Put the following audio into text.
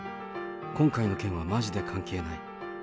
今回の件はまじで関係ない。